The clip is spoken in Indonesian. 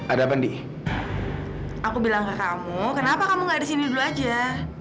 ada apa ndi aku bilang ke kamu kenapa kamu nggak di sini dulu aja